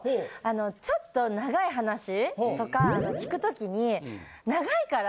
ちょっと長い話とか聞く時に長いから。